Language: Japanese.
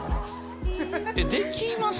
できます？